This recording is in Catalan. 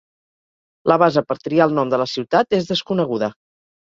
La base per triar el nom de la ciutat és desconeguda.